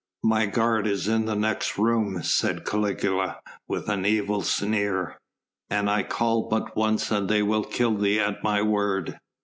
"My guard is in the next room," said Caligula with an evil sneer, "an I call but once and they will kill thee at my word."